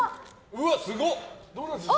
うわ、すごっ！